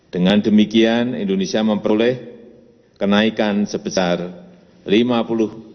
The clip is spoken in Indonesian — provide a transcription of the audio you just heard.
dengan demikian indonesia memperoleh kenaikan sebesar rp lima puluh dua dua ratus